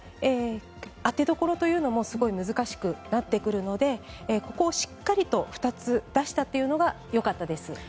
当てどころというのも少し難しくなってくるのでここを、しっかりと２つ出したというのがよかったです。